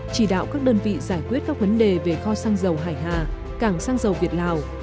chỉ đạo các đơn vị giải quyết các vấn đề về kho xăng dầu hải hà cảng xăng dầu việt lào